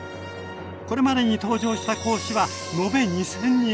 これまでに登場した講師は延べ２，０００人！